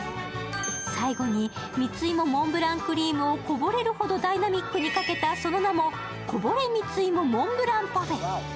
最後に蜜芋モンブランクリームをこぼれるほどにダイナミックにかけたその名も、こぼれ蜜芋モンブランパフェ。